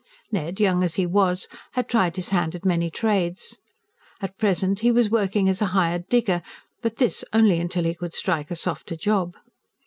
Ned, young as he was, had tried his hand at many trades. At present he was working as a hired digger; but this, only till he could strike a softer job.